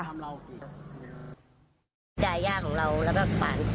จ่ายย่าของเราแล้วก็ฝ่าน